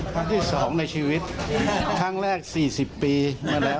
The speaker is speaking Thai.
ครั้งที่สองในชีวิตครั้งแรกสี่สิบปีมาแล้ว